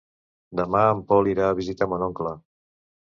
Demà en Pol irà a visitar mon oncle.